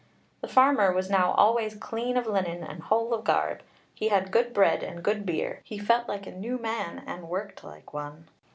The farmer was now always clean of linen and whole of garb; he had good bread and good beer; he felt like a new man, and worked like one.